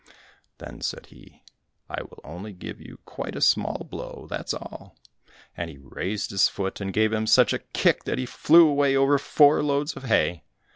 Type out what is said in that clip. Then said he, "I will only give you quite a small blow, that's all." And he raised his foot, and gave him such a kick that he flew away over four loads of hay.